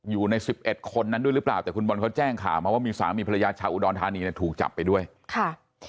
อยู่ในสิบเอ็ดคนนั้นด้วยหรือเปล่าแต่คุณบอลเขาแจ้งข่าวมาว่ามีสามีภรรยาชาวอุดรธานีเนี่ยถูกจับไปด้วยค่ะ